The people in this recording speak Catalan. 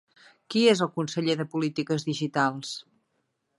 Qui és el conseller de Polítiques Digitals?